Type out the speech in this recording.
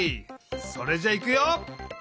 それじゃいくよ。